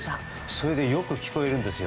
それでよく聞こえるんですよ